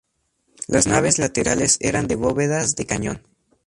Las naves laterales eran de bóvedas de cañón.